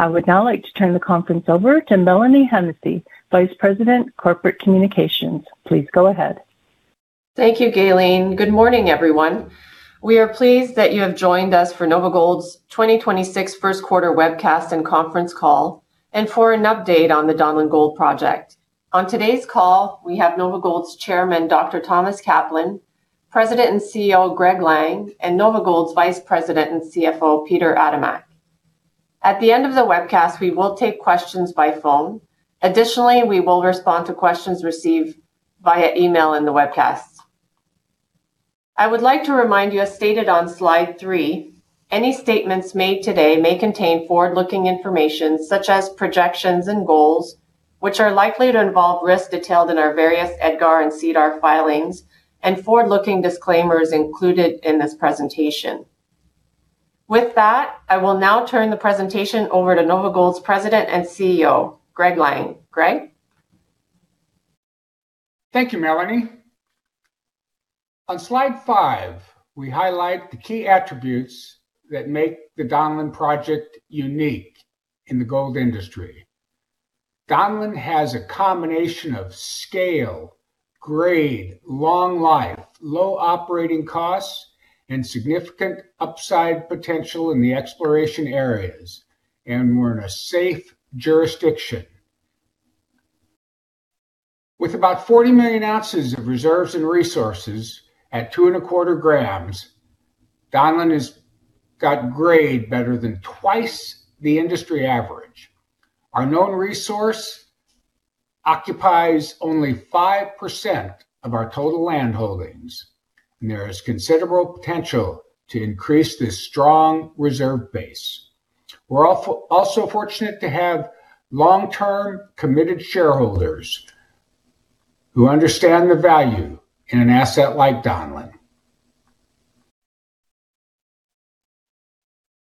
I would now like to turn the conference over to Mélanie Hennessey, Vice President, Corporate Communications. Please go ahead. Thank you, Gaylene. Good morning, everyone. We are pleased that you have joined us for NOVAGOLD’s 2026 first quarter webcast and conference call, and for an update on the Donlin Gold project. On today's call, we have NOVAGOLD’s Chairman, Dr. Thomas Kaplan, President and CEO, Greg Lang, and NOVAGOLD’s Vice President and CFO, Peter Adamek. At the end of the webcast, we will take questions by phone. Additionally, we will respond to questions received via email in the webcast. I would like to remind you, as stated on slide three, any statements made today may contain forward-looking information such as projections and goals, which are likely to involve risks detailed in our various EDGAR and SEDAR filings and forward-looking disclaimers included in this presentation. With that, I will now turn the presentation over to NOVAGOLD's President and CEO, Greg Lang. Greg? Thank you, Mélanie. On slide five, we highlight the key attributes that make the Donlin project unique in the gold industry. Donlin has a combination of scale, grade, long life, low operating costs, and significant upside potential in the exploration areas, and we're in a safe jurisdiction. With about 40 million oz of reserves and resources at 2.25 grams, Donlin has got grade better than twice the industry average. Our known resource occupies only 5% of our total land holdings, and there is considerable potential to increase this strong reserve base. We're also fortunate to have long-term, committed shareholders who understand the value in an asset like Donlin.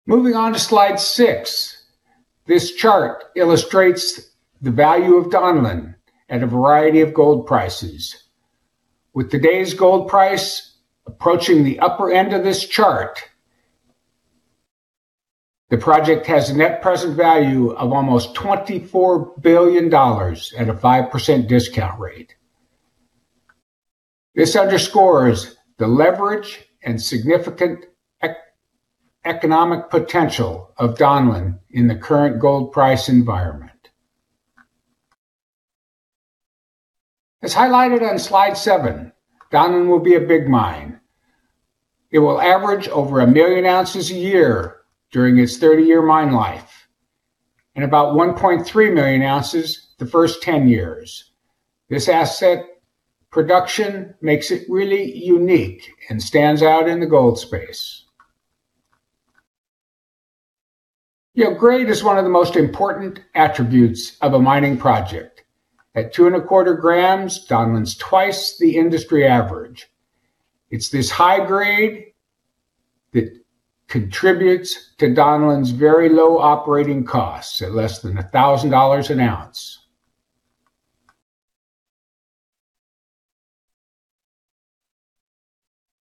Moving on to slide six. This chart illustrates the value of Donlin at a variety of gold prices. With today's gold price approaching the upper end of this chart, the project has a net present value of almost $24 billion at a 5% discount rate. This underscores the leverage and significant economic potential of Donlin in the current gold price environment. As highlighted on slide seven, Donlin will be a big mine. It will average over 1 million oz a year during its 30-year mine life and about 1.3 million oz the first 10 years. This asset production makes it really unique and stands out in the gold space. You know, grade is one of the most important attributes of a mining project. At 2.25 grams, Donlin's twice the industry average. It's this high grade that contributes to Donlin's very low operating costs, at less than $1,000 an ounce.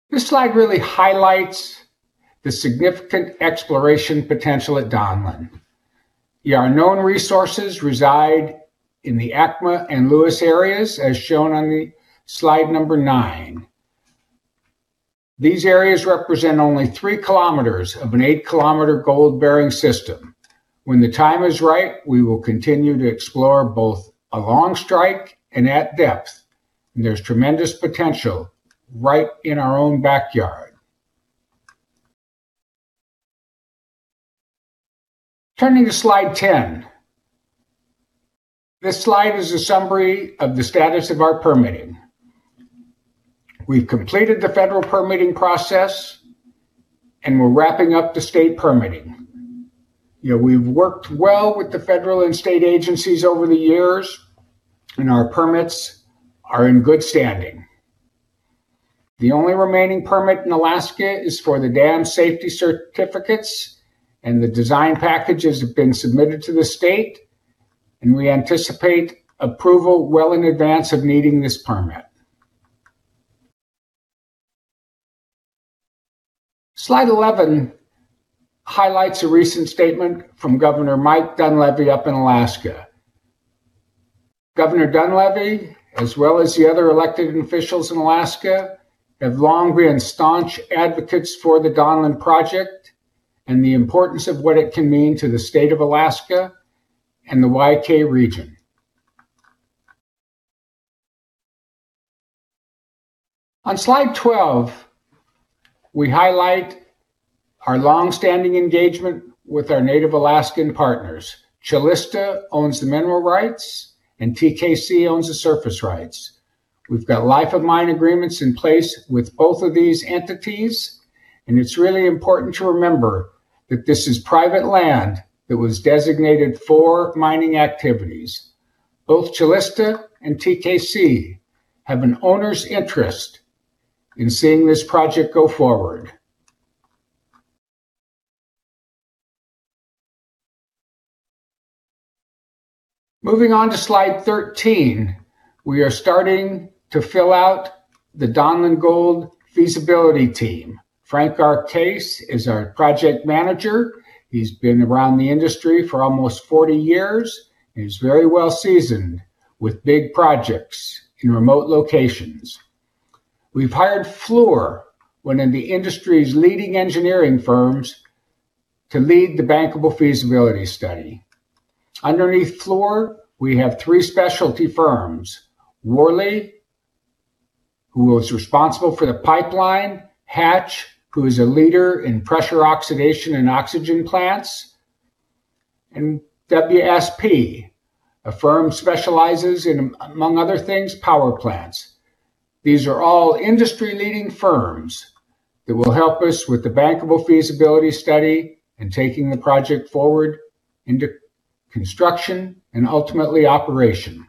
This slide really highlights the significant exploration potential at Donlin. Our known resources reside in the ACMA and Lewis areas, as shown on the slide nine. These areas represent only 3 km of an 8-km gold-bearing system. When the time is right, we will continue to explore both along strike and at depth, and there's tremendous potential right in our own backyard. Turning to slide 10. This slide is a summary of the status of our permitting. We've completed the federal permitting process, and we're wrapping up the state permitting. You know, we've worked well with the federal and state agencies over the years, and our permits are in good standing. The only remaining permit in Alaska is for the dam safety certificates, and the design packages have been submitted to the state, and we anticipate approval well in advance of needing this permit. Slide 11 highlights a recent statement from Governor Mike Dunleavy up in Alaska. Governor Dunleavy, as well as the other elected officials in Alaska, have long been staunch advocates for the Donlin project and the importance of what it can mean to the state of Alaska and the Y-K region. On slide 12, we highlight our long-standing engagement with our Native Alaskan partners. Calista owns the mineral rights, and TKC owns the surface rights. We've got life of mine agreements in place with both of these entities, and it's really important to remember that this is private land that was designated for mining activities. Both Calista and TKC have an owner's interest in seeing this project go forward. Moving on to slide 13, we are starting to fill out the Donlin Gold feasibility team. Frank Arcese is our project manager. He's been around the industry for almost 40 years, and he's very well seasoned with big projects in remote locations. We've hired Fluor, one of the industry's leading engineering firms, to lead the bankable feasibility study. Underneath Fluor, we have three specialty firms. Worley, who is responsible for the pipeline. Hatch, who is a leader in pressure oxidation and oxygen plants. And WSP, a firm specializes in, among other things, power plants. These are all industry-leading firms that will help us with the bankable feasibility study and taking the project forward into construction and ultimately operation.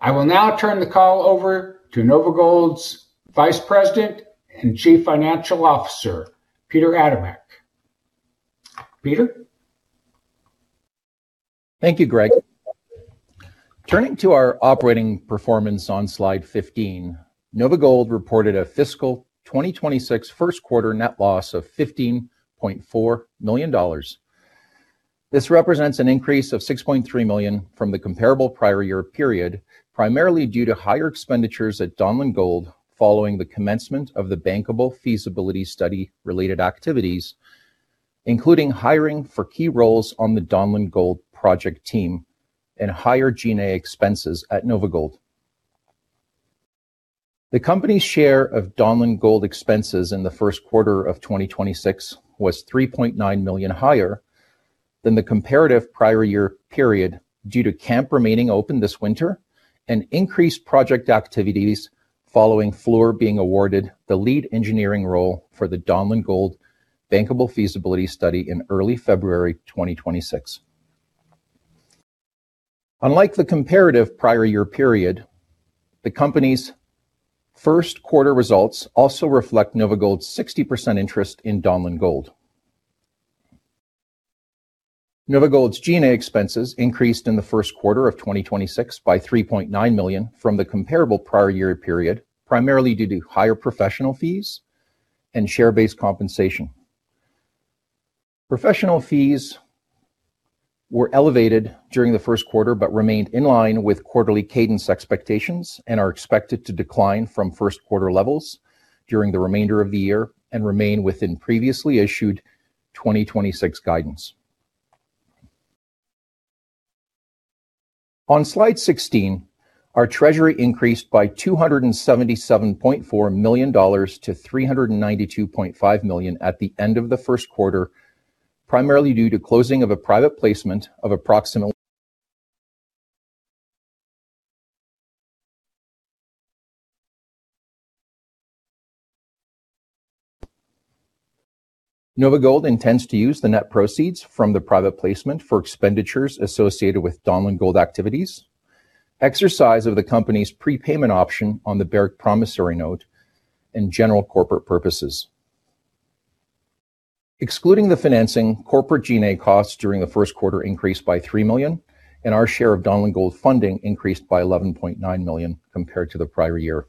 I will now turn the call over to NOVAGOLD's Vice President and Chief Financial Officer, Peter Adamek. Peter? Thank you, Greg. Turning to our operating performance on slide 15, NOVAGOLD reported a fiscal 2026 first quarter net loss of $15.4 million. This represents an increase of $6.3 million from the comparable prior year period, primarily due to higher expenditures at Donlin Gold following the commencement of the bankable feasibility study related activities, including hiring for key roles on the Donlin Gold project team and higher G&A expenses at NOVAGOLD. The company's share of Donlin Gold expenses in the first quarter of 2026 was $3.9 million higher than the comparative prior year period due to camp remaining open this winter and increased project activities following Fluor being awarded the lead engineering role for the Donlin Gold bankable feasibility study in early February 2026. Unlike the comparative prior year period, the company's first quarter results also reflect NOVAGOLD's 60% interest in Donlin Gold. NOVAGOLD's G&A expenses increased in the first quarter of 2026 by $3.9 million from the comparable prior year period, primarily due to higher professional fees and share-based compensation. Professional fees were elevated during the first quarter, but remained in line with quarterly cadence expectations and are expected to decline from first quarter levels during the remainder of the year and remain within previously issued 2026 guidance. On slide 16, our treasury increased by $277.4 million to $392.5 million at the end of the first quarter, primarily due to closing of a private placement of approximately. NOVAGOLD intends to use the net proceeds from the private placement for expenditures associated with Donlin Gold activities, exercise of the company's prepayment option on the Barrick promissory note and general corporate purposes. Excluding the financing, corporate G&A costs during the first quarter increased by $3 million, and our share of Donlin Gold funding increased by $11.9 million compared to the prior year.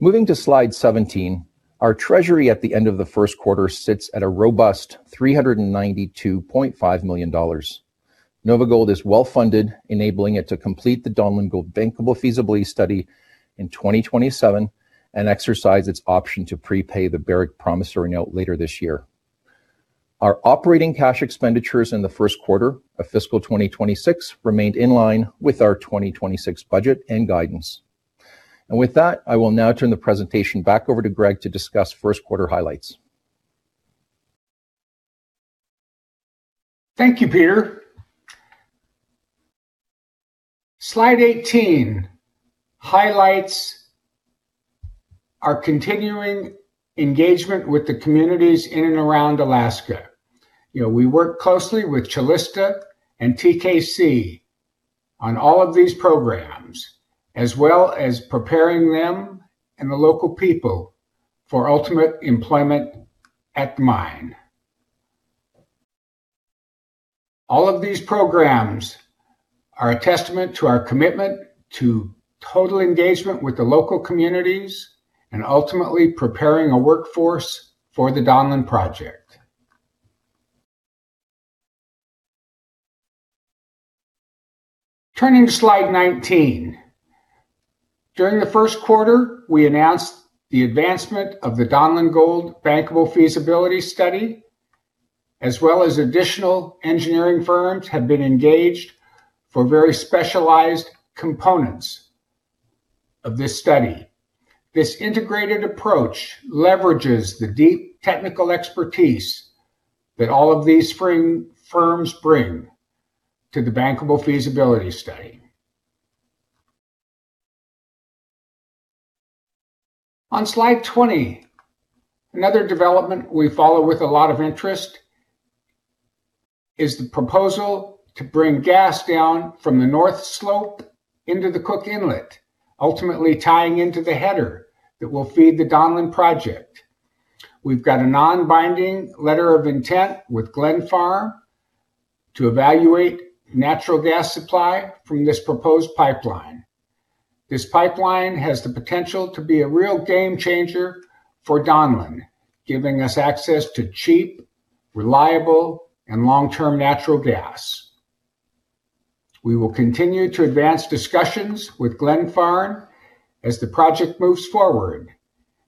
Moving to slide 17, our treasury at the end of the first quarter sits at a robust $392.5 million. NOVAGOLD is well-funded, enabling it to complete the Donlin Gold bankable feasibility study in 2027 and exercise its option to prepay the Barrick promissory note later this year. Our operating cash expenditures in the first quarter of fiscal 2026 remained in line with our 2026 budget and guidance. With that, I will now turn the presentation back over to Greg to discuss first quarter highlights. Thank you, Peter. Slide 18 highlights our continuing engagement with the communities in and around Alaska. You know, we work closely with Calista and TKC on all of these programs, as well as preparing them and the local people for ultimate employment at the mine. All of these programs are a testament to our commitment to total engagement with the local communities and ultimately preparing a workforce for the Donlin project. Turning to slide 19. During the first quarter, we announced the advancement of the Donlin Gold bankable feasibility study, as well as additional engineering firms have been engaged for very specialized components of this study. This integrated approach leverages the deep technical expertise that all of these firms bring to the bankable feasibility study. On slide 20, another development we follow with a lot of interest is the proposal to bring gas down from the North Slope into the Cook Inlet, ultimately tying into the header that will feed the Donlin project. We've got a non-binding letter of intent with Glenfarne to evaluate natural gas supply from this proposed pipeline. This pipeline has the potential to be a real game changer for Donlin, giving us access to cheap, reliable, and long-term natural gas. We will continue to advance discussions with Glenfarne as the project moves forward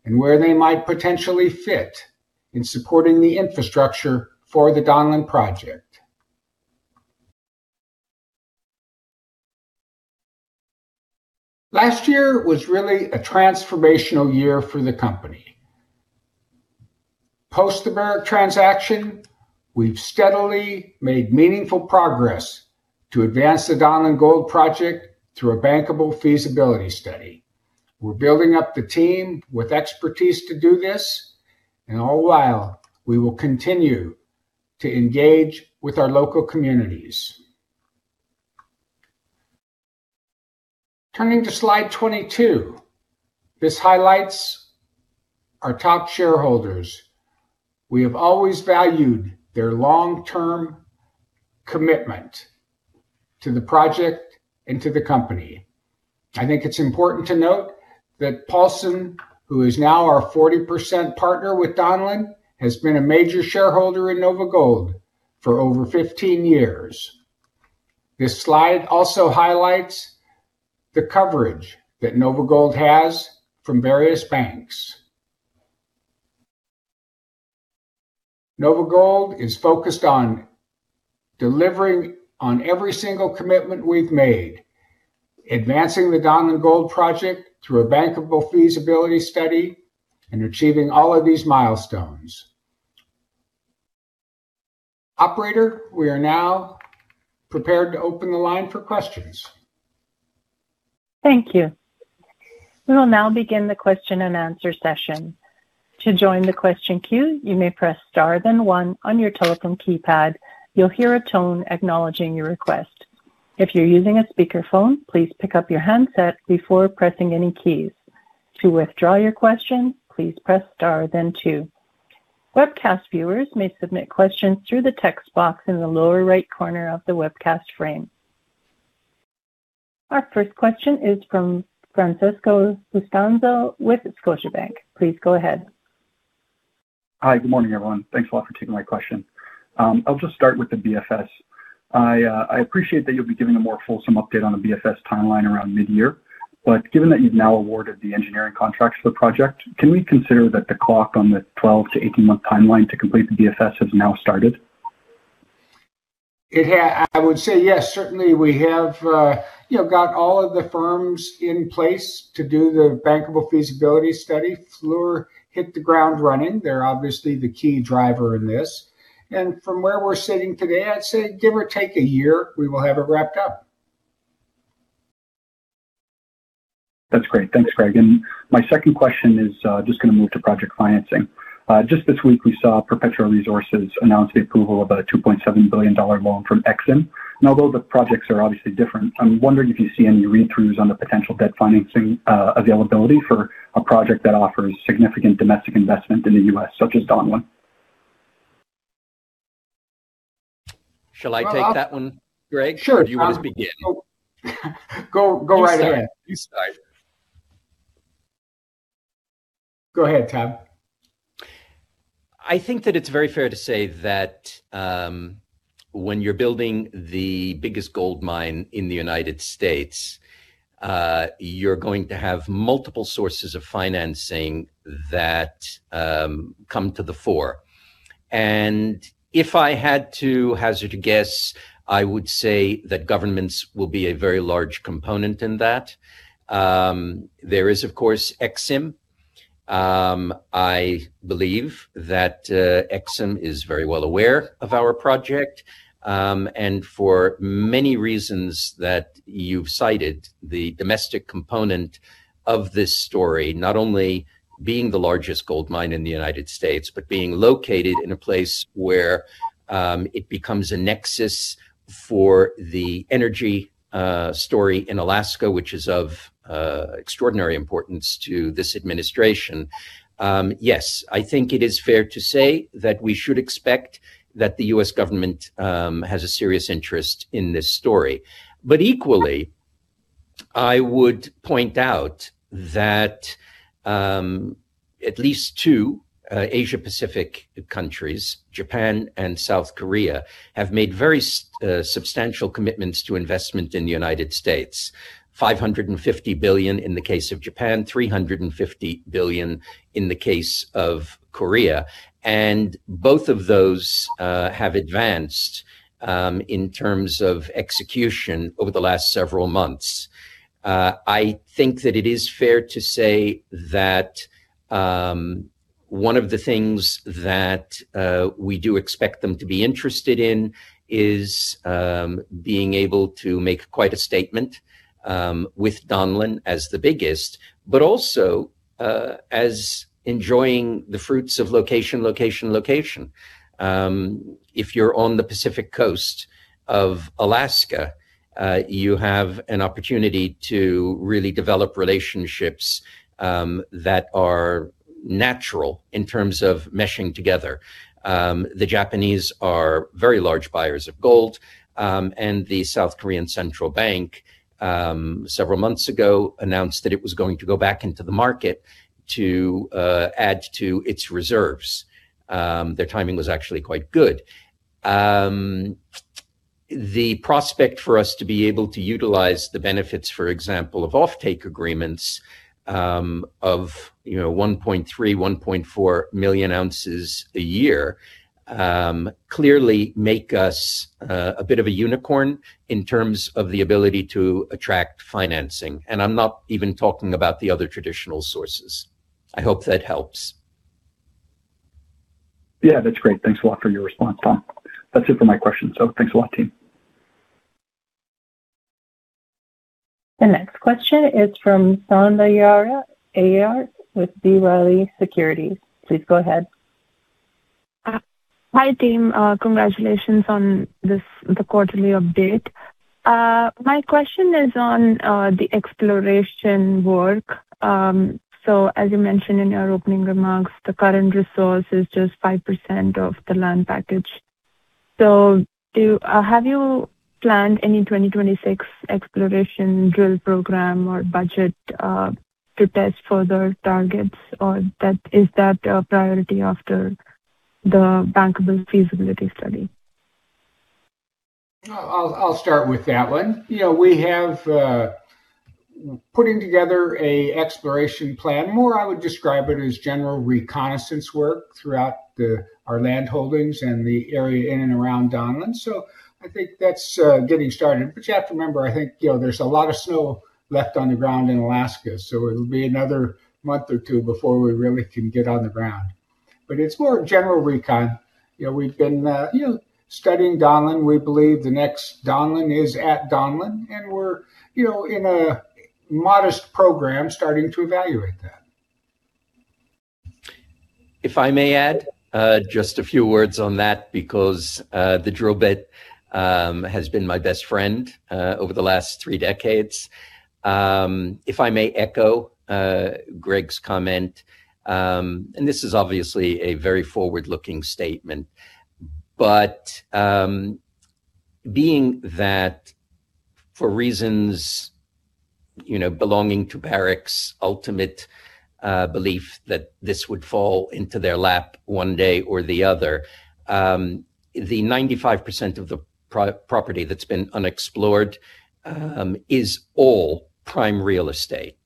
and where they might potentially fit in supporting the infrastructure for the Donlin project. Last year was really a transformational year for the company. Post the Barrick transaction, we've steadily made meaningful progress to advance the Donlin Gold project through a bankable feasibility study. We're building up the team with expertise to do this, and all the while, we will continue to engage with our local communities. Turning to slide 22, this highlights our top shareholders. We have always valued their long-term commitment to the project and to the company. I think it's important to note that Paulson, who is now our 40% partner with Donlin, has been a major shareholder in NOVAGOLD for over 15 years. This slide also highlights the coverage that NOVAGOLD has from various banks. NOVAGOLD is focused on delivering on every single commitment we've made, advancing the Donlin Gold project through a bankable feasibility study, and achieving all of these milestones. Operator, we are now prepared to open the line for questions. Thank you. We will now begin the question and answer session. To join the question queue, you may press star then one on your telephone keypad. Our first question is from Francesco Costanzo with Scotiabank. Please go ahead. Hi. Good morning, everyone. Thanks a lot for taking my question. I'll just start with the BFS. I appreciate that you'll be giving a more fulsome update on the BFS timeline around mid-year, but given that you've now awarded the engineering contract to the project, can we consider that the clock on the 12-18-month timeline to complete the BFS has now started? I would say yes. Certainly, we have, you know, got all of the firms in place to do the bankable feasibility study. Fluor hit the ground running. They're obviously the key driver in this. From where we're sitting today, I'd say give or take a year, we will have it wrapped up. That's great. Thanks, Greg. My second question is, just gonna move to project financing. Just this week, we saw Perpetua Resources announce the approval of a $2.7 billion loan from EXIM. Although the projects are obviously different, I'm wondering if you see any read-throughs on the potential debt financing availability for a project that offers significant domestic investment in the U.S. such as Donlin? Shall I take that one, Greg? Sure. Do you want to begin? Go right ahead. You start. Go ahead, Tom. I think that it's very fair to say that, when you're building the biggest gold mine in the United States, you're going to have multiple sources of financing that come to the fore. If I had to hazard a guess, I would say that governments will be a very large component in that. There is, of course, EXIM. I believe that EXIM is very well aware of our project, and for many reasons that you've cited, the domestic component of this story, not only being the largest gold mine in the United States but being located in a place where it becomes a nexus for the energy story in Alaska, which is of extraordinary importance to this administration. Yes, I think it is fair to say that we should expect that the U.S. government has a serious interest in this story. Equally, I would point out that at least two Asia Pacific countries, Japan and South Korea, have made very substantial commitments to investment in the United States. $550 billion in the case of Japan, $350 billion in the case of Korea. Both of those have advanced in terms of execution over the last several months. I think, that it is fair to say that one of the things that we do expect them to be interested in is being able to make quite a statement with Donlin as the biggest, but also as enjoying the fruits of location, location, location. If you're on the Pacific Coast of Alaska, you have an opportunity to really develop relationships that are natural in terms of meshing together. The Japanese are very large buyers of gold, and the South Korean Central Bank, several months ago, announced that it was going to go back into the market to add to its reserves. Their timing was actually quite good. The prospect for us to be able to utilize the benefits, for example, of offtake agreements, of, you know, 1.3 million, 1.4 million oz a year, clearly make us a bit of a unicorn in terms of the ability to attract financing. I'm not even talking about the other traditional sources. I hope that helps. Yeah. That's great. Thanks a lot for your response, Tom. That's it for my questions, so thanks a lot, team. The next question is from Soundarya Iyer with B. Riley Securities. Please go ahead. Hi, team. Congratulations on this, the quarterly update. My question is on the exploration work. As you mentioned in your opening remarks, the current resource is just 5% of the land package. Have you planned any 2026 exploration drill program or budget to test further targets? Or, is that a priority after the bankable feasibility study? I'll start with that one. You know, we're putting together an exploration plan. More I would describe it as general reconnaissance work throughout our land holdings and the area in and around Donlin. I think that's getting started. You have to remember, I think, you know, there's a lot of snow left on the ground in Alaska, so it'll be another month or two before we really can get on the ground. It's more general recon. You know, we've been, you know, studying Donlin. We believe the next Donlin is at Donlin, and we're, you know, in a modest program starting to evaluate that. If I may add, just a few words on that because the drill bit has been my best friend over the last three decades. If I may echo Greg's comment, and this is obviously a very forward-looking statement. Being that for reasons you know belonging to Barrick's ultimate belief that this would fall into their lap one day or the other, the 95% of the property that's been unexplored is all prime real estate.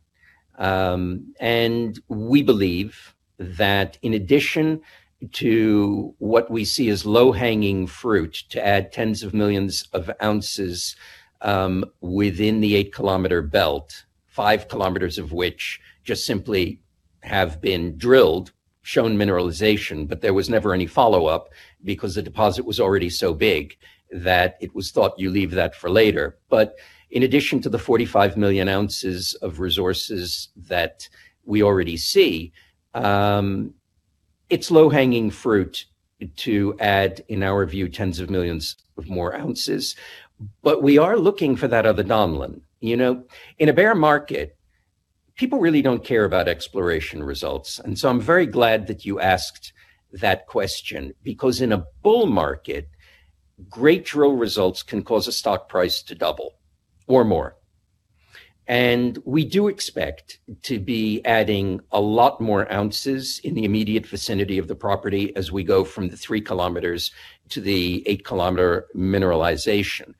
We believe that in addition to what we see as low-hanging fruit to add tens of millions of ounces within the 8-km belt, 5 km of which just simply have been drilled, shown mineralization, but there was never any follow-up because the deposit was already so big that it was thought you leave that for later. In addition to the 45 million oz of resources that we already see, it's low-hanging fruit to add, in our view, tens of millions of more ounces. We are looking for that other Donlin. You know, in a bear market, people really don't care about exploration results, and so I'm very glad that you asked that question because in a bull market, great drill results can cause a stock price to double or more. We do expect to be adding a lot more ounces in the immediate vicinity of the property as we go from the 3 km to the 8-km mineralization.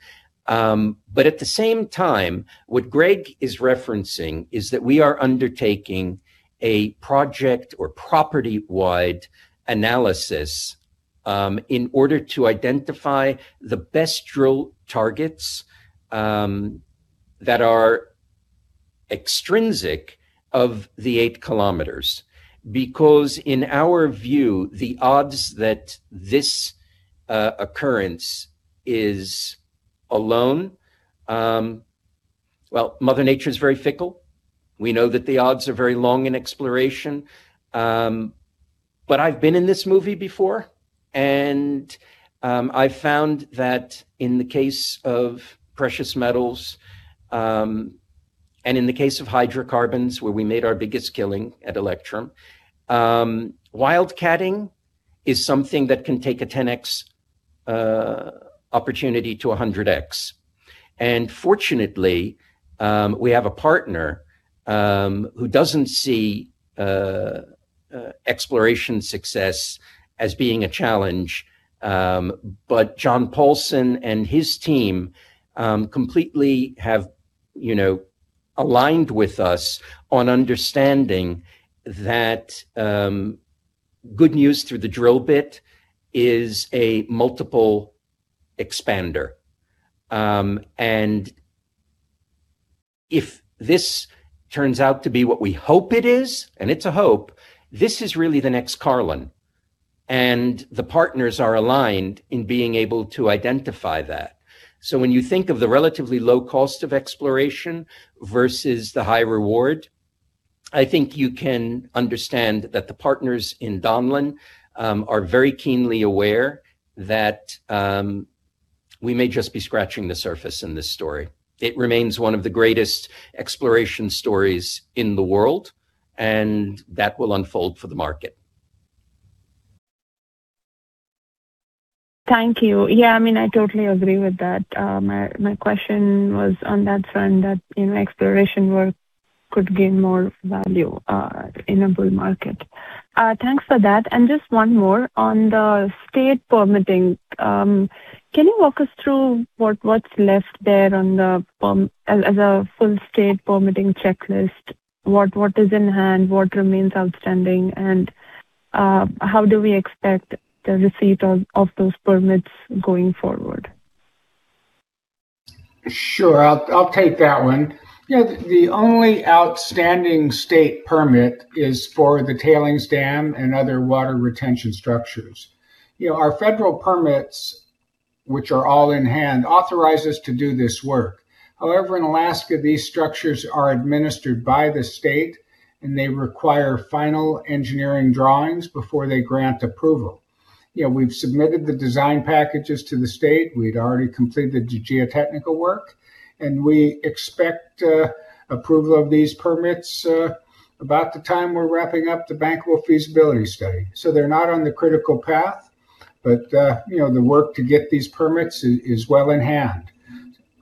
At the same time, what Greg is referencing is that we are undertaking a project or property-wide analysis in order to identify the best drill targets that are extrinsic of the 8 km. Because in our view, the odds that this occurrence is alone. Well, Mother Nature is very fickle. We know that the odds are very long in exploration. I've been in this movie before, and I found that in the case of precious metals, and in the case of hydrocarbons, where we made our biggest killing at Electrum, wildcatting is something that can take a 10x opportunity to a 100x. Fortunately, we have a partner who doesn't see exploration success as being a challenge. John Paulson and his team completely have, you know, aligned with us on understanding that good news through the drill bit is a multiple expander, and if this turns out to be what we hope it is, and it's a hope, this is really the next Carlin, and the partners are aligned in being able to identify that. When you think of the relatively low cost of exploration versus the high reward, I think you can understand that the partners in Donlin are very keenly aware that we may just be scratching the surface in this story. It remains one of the greatest exploration stories in the world, and that will unfold for the market. Thank you. Yeah, I mean, I totally agree with that. My question was on that front that, you know, exploration work could gain more value in a bull market. Thanks for that. Just one more on the state permitting. Can you walk us through what's left there on the permitting as a full state permitting checklist? What is in hand? What remains outstanding? How do we expect the receipt of those permits going forward? Sure. I'll take that one. You know, the only outstanding state permit is for the tailings dam and other water retention structures. You know, our federal permits, which are all in hand, authorize us to do this work. However, in Alaska, these structures are administered by the state, and they require final engineering drawings before they grant approval. You know, we've submitted the design packages to the state. We'd already completed the geotechnical work, and we expect approval of these permits about the time we're wrapping up the bankable feasibility study. So they're not on the critical path, but you know, the work to get these permits is well in hand.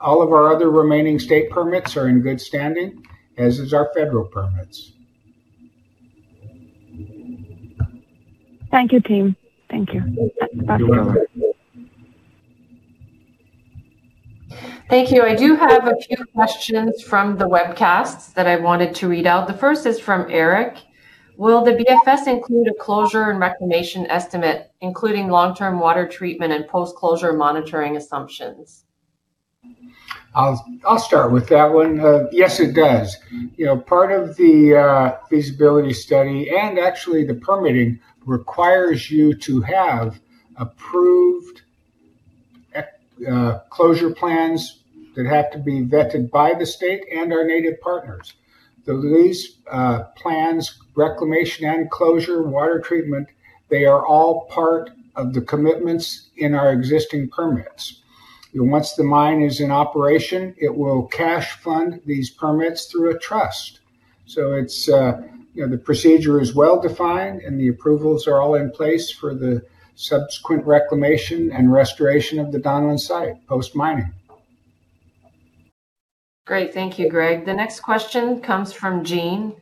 All of our other remaining state permits are in good standing, as is our federal permits. Thank you, team. Thank you. Back to you. You're welcome. Thank you. I do have a few questions from the webcasts that I wanted to read out. The first is from Eric. Will the BFS include a closure and reclamation estimate, including long-term water treatment and post-closure monitoring assumptions? I'll start with that one. Yes, it does. You know, part of the feasibility study and actually the permitting requires you to have approved closure plans that have to be vetted by the state and our native partners. These plans, reclamation and closure, water treatment, they are all part of the commitments in our existing permits. You know, once the mine is in operation, it will cash fund these permits through a trust. It's you know, the procedure is well-defined, and the approvals are all in place for the subsequent reclamation and restoration of the Donlin site post-mining. Great. Thank you, Greg. The next question comes from Jean.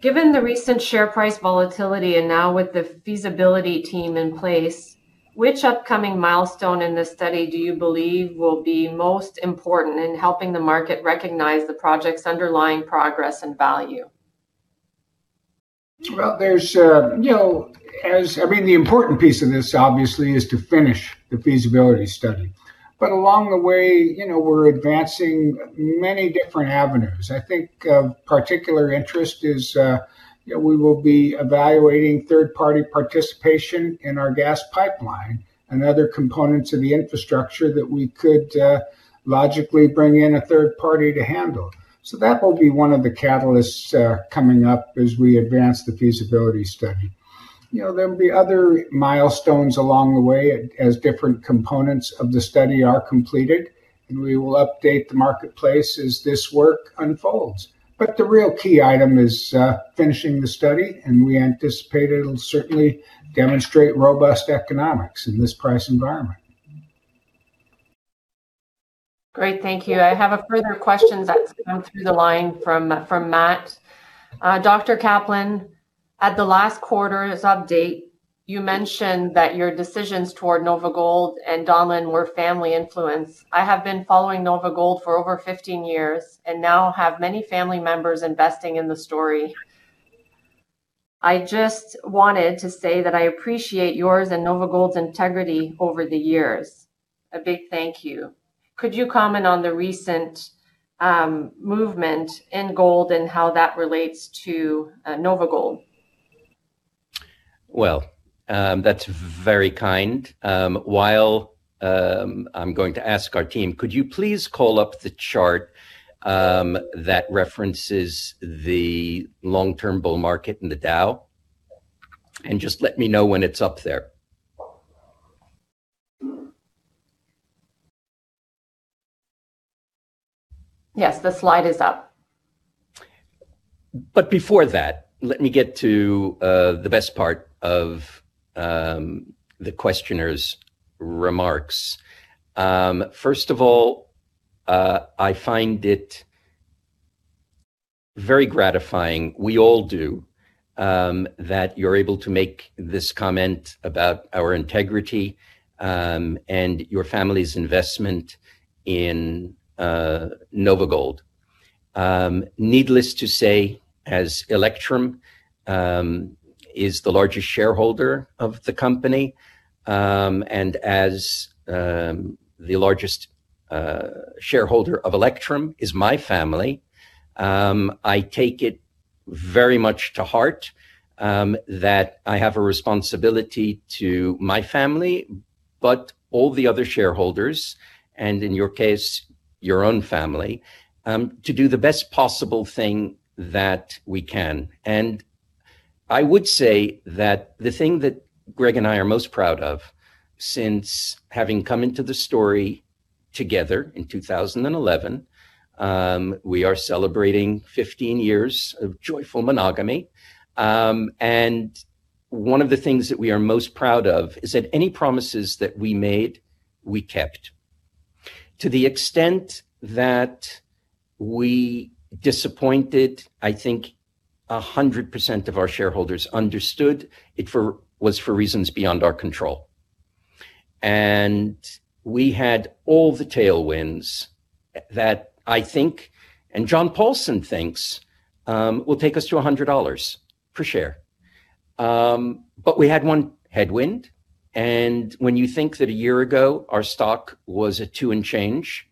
Given the recent share price volatility and now with the feasibility team in place, which upcoming milestone in this study do you believe will be most important in helping the market recognize the project's underlying progress and value? Well, there's, you know, I mean, the important piece of this obviously is to finish the feasibility study. Along the way, you know, we're advancing many different avenues. I think of particular interest is, you know, we will be evaluating third-party participation in our gas pipeline and other components of the infrastructure that we could, logically bring in a third party to handle. So that will be one of the catalysts, coming up as we advance the feasibility study. You know, there will be other milestones along the way as different components of the study are completed, and we will update the marketplace as this work unfolds. The real key item is, finishing the study, and we anticipate it'll certainly demonstrate robust economics in this price environment. Great. Thank you. I have a further question that's come through the line from Matt. Dr. Kaplan, at the last quarter's update, you mentioned that your decisions toward NOVAGOLD and Donlin were family influence. I have been following NOVAGOLD for over 15 years and now have many family members investing in the story. I just wanted to say that I appreciate yours and NOVAGOLD's integrity over the years. A big thank you. Could you comment on the recent movement in gold and how that relates to NOVAGOLD? Well, that's very kind. While I'm going to ask our team, could you please call up the chart that references the long-term bull market in the Dow, and just let me know when it's up there. Yes, the slide is up. Before that, let me get to the best part of the questioner's remarks. First of all, I find it very gratifying, we all do, that you're able to make this comment about our integrity and your family's investment in NOVAGOLD. Needless to say, as Electrum is the largest shareholder of the company, and as the largest shareholder of Electrum is my family, I take it very much to heart that I have a responsibility to my family, but all the other shareholders, and in your case, your own family, to do the best possible thing that we can. I would say that the thing that Greg and I are most proud of since having come into the story together in 2011, we are celebrating 15 years of joyful monogamy. One of the things that we are most proud of is that any promises that we made, we kept. To the extent that we disappointed, I think 100% of our shareholders understood it was for reasons beyond our control. We had all the tailwinds that I think, and John Paulson thinks, will take us to $100 per share. We had one headwind. When you think that a year ago, our stock was at $2 and change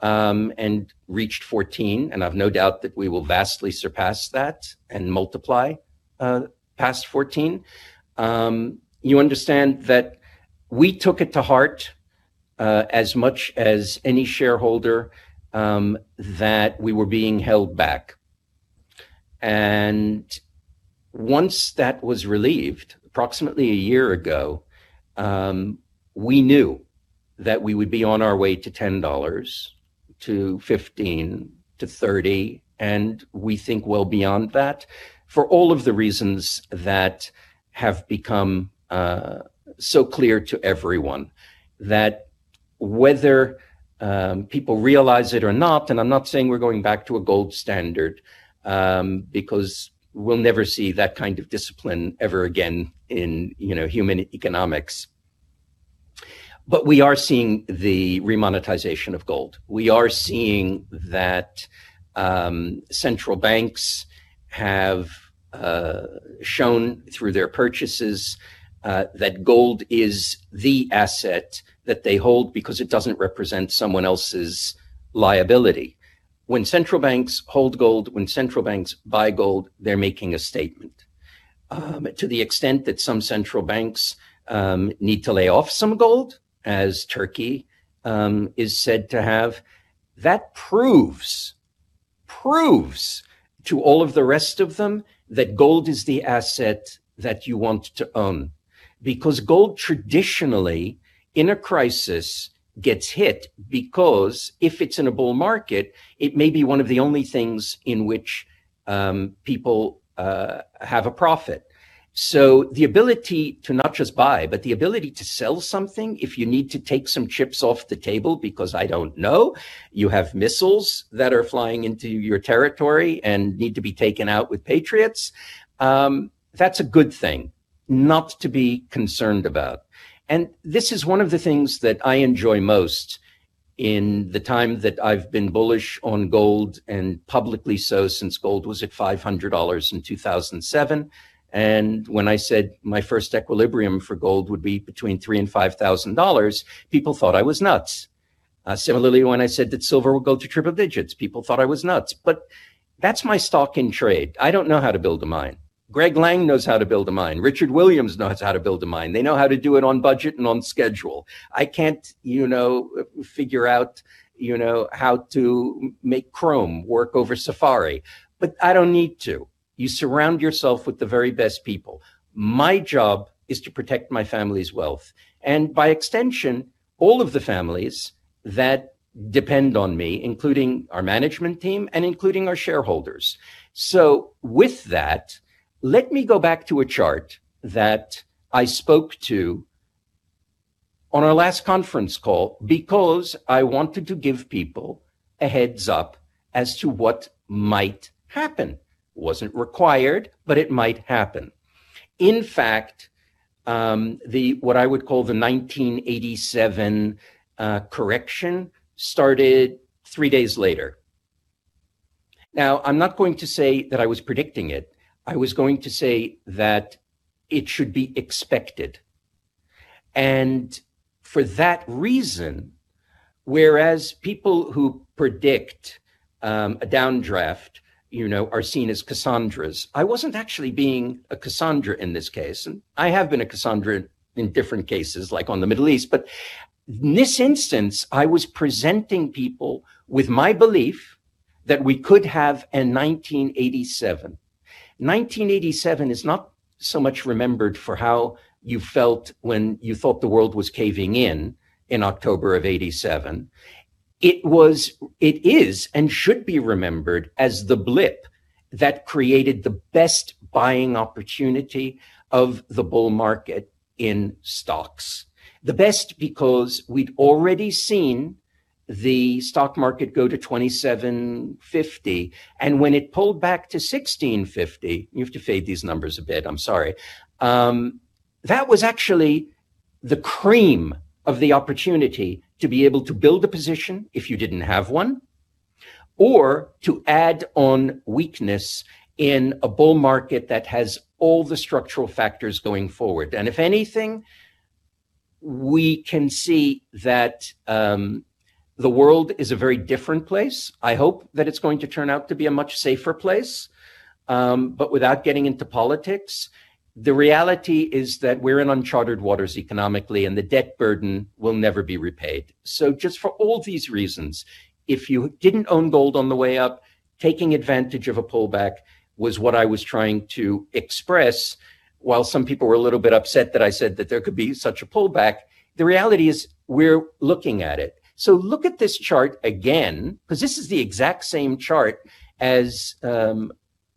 and reached $14, and I've no doubt that we will vastly surpass that and multiply past $14, you understand that we took it to heart as much as any shareholder that we were being held back. Once that was relieved approximately a year ago, we knew that we would be on our way to $10, to $15, to $30, and we think well beyond that for all of the reasons that have become so clear to everyone that whether people realize it or not, and I'm not saying we're going back to a gold standard because we'll never see that kind of discipline ever again in human economics. We are seeing the remonetization of gold. We are seeing that central banks have shown through their purchases that gold is the asset that they hold because it doesn't represent someone else's liability. When central banks hold gold, when central banks buy gold, they're making a statement. To the extent that some central banks need to lay off some gold, as Turkey is said to have, that proves, proves to all of the rest of them that gold is the asset that you want to own. Because gold traditionally in a crisis gets hit because if it's in a bull market, it may be one of the only things in which people have a profit. The ability to not just buy, but the ability to sell something if you need to take some chips off the table because I don't know, you have missiles that are flying into your territory and need to be taken out with patriots, that's a good thing, not to be concerned about. This is one of the things that I enjoy most in the time that I've been bullish on gold and publicly so since gold was at $500 in 2007. When I said my first equilibrium for gold would be between $3,000 and $5,000, people thought I was nuts. Similarly, when I said that silver would go to triple digits, people thought I was nuts. That's my stock in trade. I don't know how to build a mine. Greg Lang knows how to build a mine. Richard Williams knows how to build a mine. They know how to do it on budget and on schedule. I can't figure out how to make Chrome work over Safari, but I don't need to. You surround yourself with the very best people. My job is to protect my family's wealth and by extension, all of the families that depend on me, including our management team and including our shareholders. With that, let me go back to a chart that I spoke to on our last conference call because I wanted to give people a heads up as to what might happen. Wasn't required, but it might happen. In fact, what I would call the 1987 correction started three days later. Now, I'm not going to say that I was predicting it. I was going to say that it should be expected. For that reason, whereas people who predict a downdraft are seen as Cassandras, I wasn't actually being a Cassandra in this case. I have been a Cassandra in different cases, like on the Middle East. In this instance, I was presenting people with my belief that we could have a 1987. 1987 is not so much remembered for how you felt when you thought the world was caving in, in October of 1987. It was, it is, and should be remembered as the blip that created the best buying opportunity of the bull market in stocks. The best because we'd already seen the stock market go to 2,750. When it pulled back to 1,650, you have to fade these numbers a bit, I'm sorry, that was actually the cream of the opportunity to be able to build a position if you didn't have one, or to add on weakness in a bull market that has all the structural factors going forward. If anything, we can see that the world is a very different place. I hope that it's going to turn out to be a much safer place, but without getting into politics, the reality is that we're in uncharted waters economically, and the debt burden will never be repaid. Just for all these reasons, if you didn't own gold on the way up, taking advantage of a pullback was what I was trying to express. While some people were a little bit upset that I said that there could be such a pullback, the reality is we're looking at it. Look at this chart again, 'cause this is the exact same chart as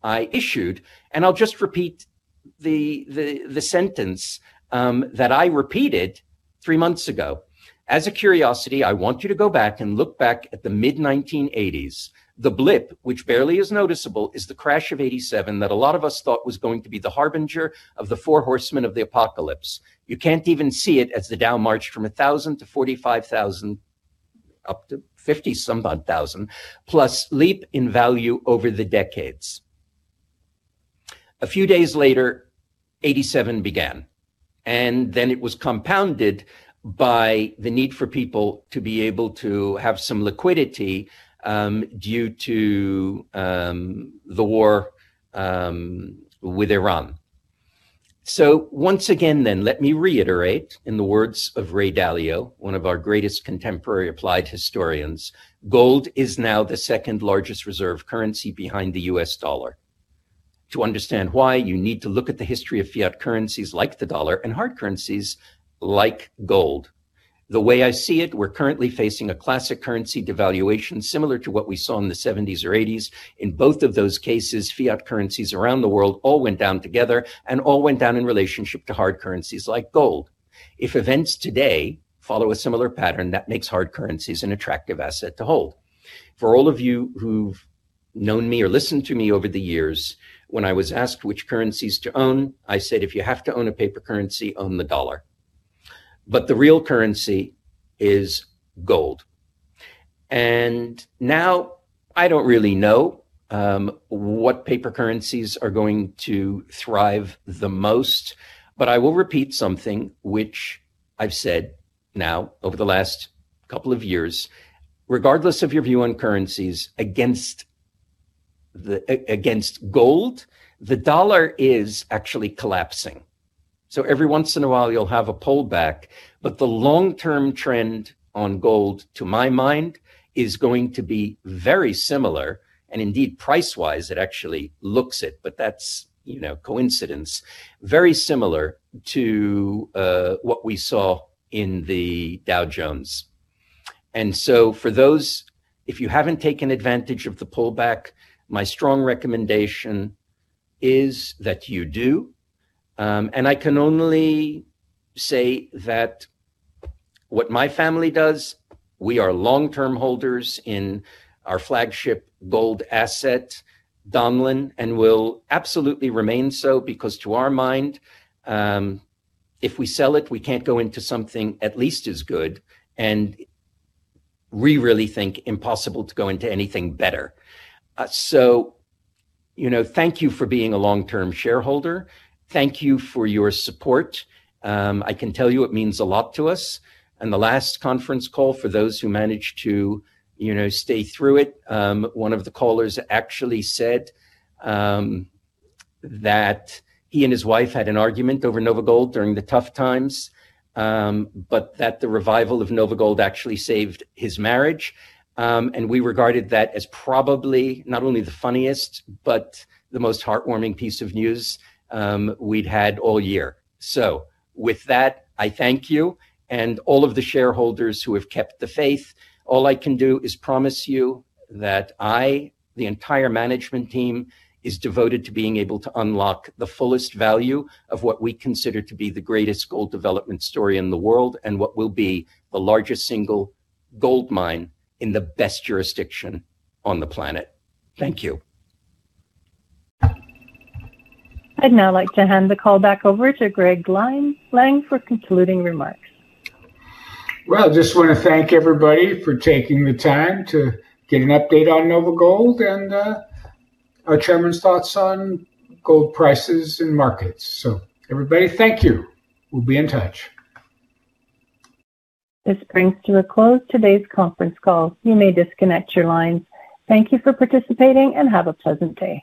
I issued, and I'll just repeat the sentence that I repeated three months ago. As a curiosity, I want you to go back and look back at the mid-1980s. The blip, which barely is noticeable, is the crash of 1987 that a lot of us thought was going to be the harbinger of the Four Horsemen of the Apocalypse. You can't even see it as the Dow marched from 1,000 to 45,000, up to 50-some odd thousand, plus leap in value over the decades. A few days later, 1987 began, and then it was compounded by the need for people to be able to have some liquidity, due to the war with Iran. Once again then, let me reiterate in the words of Ray Dalio, one of our greatest contemporary applied historians, "Gold is now the second-largest reserve currency behind the U.S. dollar. To understand why, you need to look at the history of fiat currencies like the dollar and hard currencies like gold. The way I see it, we're currently facing a classic currency devaluation similar to what we saw in the 1970s or 1980s. In both of those cases, fiat currencies around the world all went down together and all went down in relationship to hard currencies like gold. If events today follow a similar pattern, that makes hard currencies an attractive asset to hold. For all of you who've known me or listened to me over the years, when I was asked which currencies to own, I said, "If you have to own a paper currency, own the dollar. But the real currency is gold." Now, I don't really know what paper currencies are going to thrive the most, but I will repeat something which I've said now over the last couple of years. Regardless of your view on currencies against gold, the dollar is actually collapsing. Every once in a while you'll have a pullback, but the long-term trend on gold, to my mind, is going to be very similar, and indeed price-wise, it actually looks it, but that's, you know, coincidence. Very similar to what we saw in the Dow Jones. For those, if you haven't taken advantage of the pullback, my strong recommendation is that you do. I can only say that what my family does, we are long-term holders in our flagship gold asset, Donlin, and will absolutely remain so because to our mind, if we sell it, we can't go into something at least as good, and we really think impossible to go into anything better. You know, thank you for being a long-term shareholder. Thank you for your support. I can tell you it means a lot to us. In the last conference call, for those who managed to, you know, stay through it, one of the callers actually said that he and his wife had an argument over NOVAGOLD during the tough times, but that the revival of NOVAGOLD actually saved his marriage. We regarded that as probably not only the funniest but the most heartwarming piece of news we'd had all year. With that, I thank you and all of the shareholders who have kept the faith. All I can do is promise you that I, the entire management team, is devoted to being able to unlock the fullest value of what we consider to be the greatest gold development story in the world and what will be the largest single gold mine in the best jurisdiction on the planet. Thank you. I'd now like to hand the call back over to Greg Lang for concluding remarks. Well, I just wanna thank everybody for taking the time to get an update on NOVAGOLD and our Chairman’s thoughts on gold prices and markets. Everybody, thank you. We'll be in touch. This brings to a close today's conference call. You may disconnect your lines. Thank you for participating, and have a pleasant day.